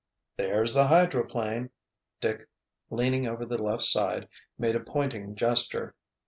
"There's the hydroplane!" Dick, leaning over the left side, made a pointing gesture.